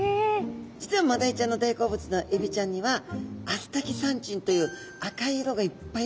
実はマダイちゃんの大好物のエビちゃんにはアスタキサンチンという赤い色がいっぱいふくまれてまして。